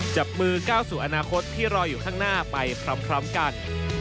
จับมือก้าวสู่อนาคตที่รออยู่ข้างหน้าไปพร้อมกัน